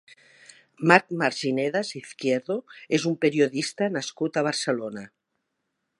Marc Marginedas Izquierdo és un periodista nascut a Barcelona.